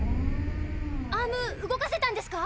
アーム動かせたんですか？